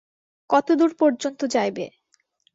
কতদূর পর্যন্ত যাইবে?